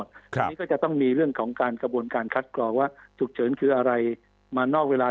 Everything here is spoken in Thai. อันนี้ก็จะต้องมีเรื่องของการกระบวนการคัดกรองว่าฉุกเฉินคืออะไรมานอกเวลา